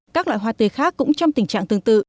các loại hoa tươi khác cũng trong tình trạng tương tự